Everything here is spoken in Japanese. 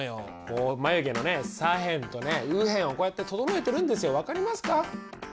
こう眉毛のね左辺とね右辺をこうやって整えてるんですよ分かりますか？